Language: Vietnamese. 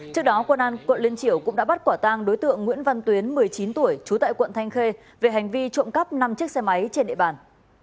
trước đó quân an quận liên triểu cũng đã bắt quả tang đối tượng nguyễn văn tuyến một mươi chín tuổi trú tại quận thanh khê về hành vi trộm cắp năm chiếc xe máy trên địa bàn